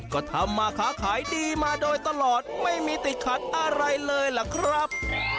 ก็ทำมาค้าขายดีมาโดยตลอดไม่มีติดขัดอะไรเลยล่ะครับ